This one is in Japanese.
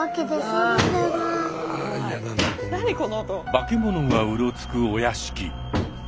化け物がうろつくお屋敷。